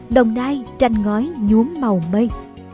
đồng nai tranh ngói nhuốm màu mây